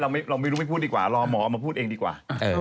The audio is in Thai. เราไม่รู้ไม่พูดดีกว่ารอหมอมาพูดเองดีกว่า